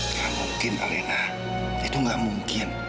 tidak mungkin alena itu tidak mungkin